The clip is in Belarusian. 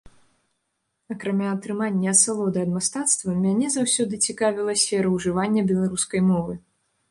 Акрамя атрымання асалоды ад мастацтва, мяне заўсёды цікавіла сфера ўжывання беларускай мовы.